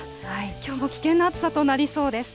きょうも危険な暑さとなりそうです。